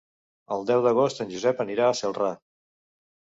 El deu d'agost en Josep anirà a Celrà.